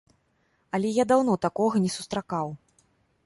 Але я даўно такога не сустракаў.